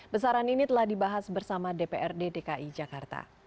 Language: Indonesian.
besaran ini telah dibahas bersama dprd dki jakarta